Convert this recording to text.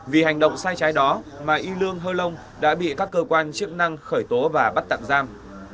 vì hành động sai trái đó mà y lương hơ long đã bị các cơ quan chức năng khởi tố và bắt tạm giam